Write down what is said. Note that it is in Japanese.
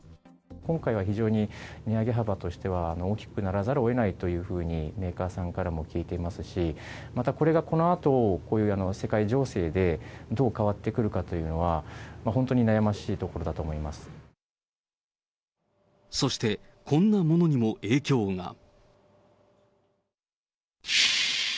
今回は非常に値上げ幅としては、大きくならざるをえないというふうにメーカーさんからも聞いていますし、またこれがこのあと、こういう世界情勢でどう変わってくるかというのは、本当に悩ましそしてこんなものにも影響が。